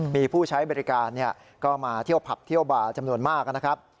มีผู้ใช้บริการก็มาเที่ยวผับเที่ยวบาร์จำนวนมากนะครับ